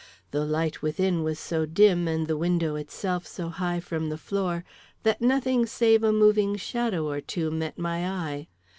The light within was so dim and the window itself so high from the floor, that nothing save a moving shadow or two met my eye.